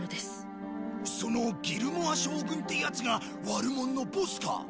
そのギルモア将軍ってヤツが悪者のボスか？